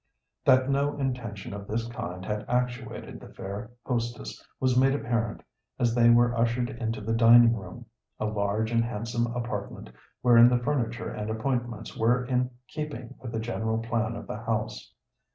That no intention of this kind had actuated the fair hostess was made apparent as they were ushered into the dining room, a large and handsome apartment wherein the furniture and appointments were in keeping with the general plan of the house.